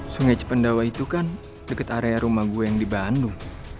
sungai cipendawa itu kan dekat area rumah gue yang di bandung